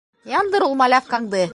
Яндыр ул малявкаңды.